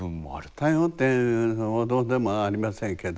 対応っていうほどでもありませんけど。